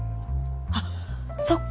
あっそっか！